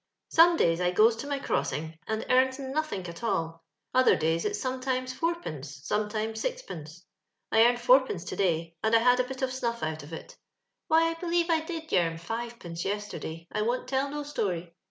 " Some days I goes to my crossing, and earns nothink at all : other days it's sometimes four l)ence, sometimes sixpence. I earned four pence to day, and I had a bit of snuff out of it. Why, I believe I did yearn fivepence yesterday — I won't tell no story.